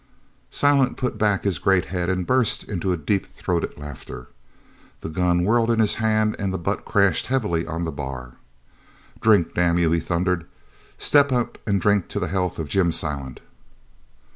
Silent put back his great head and burst into a deep throated laughter. The gun whirled in his hand and the butt crashed heavily on the bar. "Drink, damn you!" he thundered. "Step up an' drink to the health of Jim Silent!"